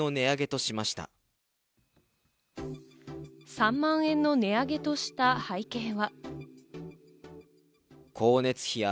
３万円の値上げとした背景は。